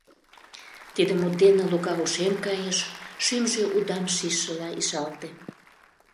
Тиде мут дене Лука ошем кайыш, шӱмжӧ удам шижшыла ишалте.